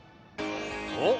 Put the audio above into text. おっ。